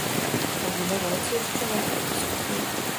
Абвінаваўца яшчэ мякка паступіў.